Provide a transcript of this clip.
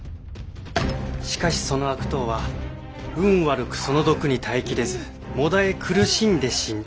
しかしその悪党は運悪くその毒に耐え切れずもだえ苦しんで死んだ。